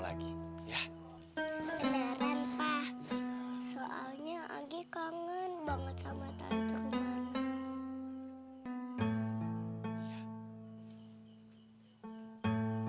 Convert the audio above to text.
lagi ya beneran pak soalnya lagi kangen banget sama tante rumana